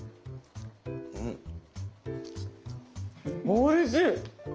おいしい！